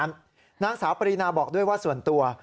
นางสาวปรีนาบอกด้วยว่าส่วนตัว